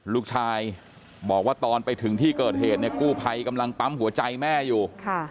ลูกชายบอกว่าตอนไปถึงที่เกิดเหตุเนี่ยกู้ภัยกำลังปั๊มหัวใจแม่อยู่